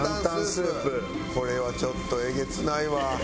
これはちょっとえげつないわ。